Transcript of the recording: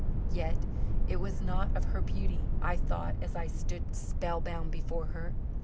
Yet it was not of her beauty I thought as I stood spellbound before her.